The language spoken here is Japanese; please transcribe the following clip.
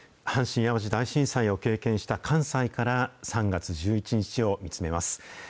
阪神・淡路大震災を経験した関西から、３月１１日を見つめます。